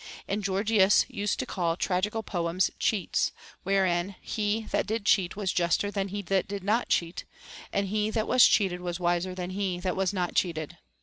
And Gorgias used to call tragical poems cheats, wherein he that did cheat was j uster than he that did not cheat, and he that was cheated was wiser than he that was not cheated.